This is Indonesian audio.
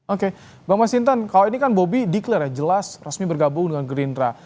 oke pak mas hintan kalau ini kan bobby declare ya jelas resmi bergabung dengan gerindra